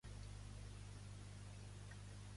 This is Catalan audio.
La meva filla es diu Samara: essa, a, ema, a, erra, a.